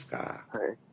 はい。